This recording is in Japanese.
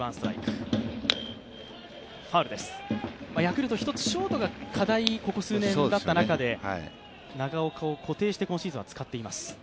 ヤクルト、一つショートがここ数年課題だった中で長岡を固定して今シーズンは使っています。